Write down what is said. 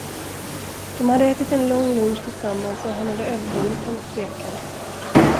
De hade ätit en lång lunch tillsammans, och han hade övervunnit hennes tvekan.